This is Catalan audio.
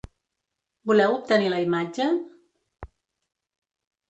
Voleu obtenir la imatge?